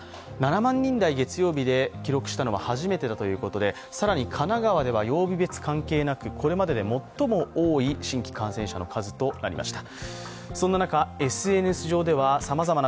７万人台を月曜日で記録したのは初めてだということで、更に神奈川では曜日別関係なく、これまでで最も多い新規感染者の数となりました。